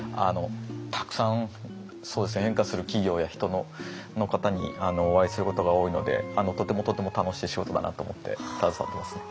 たくさん変化する企業や人のの方にお会いすることが多いのでとてもとても楽しい仕事だなと思って携わってますね。